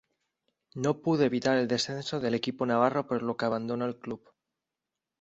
No pudo evitar el descenso del equipo navarro, por lo que abandonó el club.